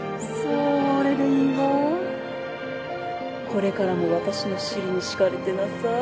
これからも私の尻に敷かれてなさい。